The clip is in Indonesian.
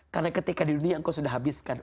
karena ketika di dunia engkau sudah habiskan